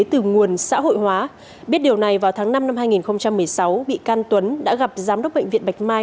từ nguồn xã hội hóa biết điều này vào tháng năm năm hai nghìn một mươi sáu bị can tuấn đã gặp giám đốc bệnh viện bạch mai